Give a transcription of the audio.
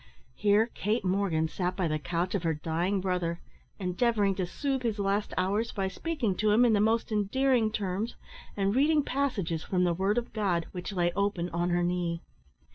Here Kate Morgan sat by the couch of her dying brother, endeavouring to soothe his last hours by speaking to him in the most endearing terms, and reading passages from the Word of God, which lay open on her knee.